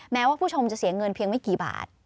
แม้ว่าผู้ชมจะเสียเงินเพียงไม่กี่บาท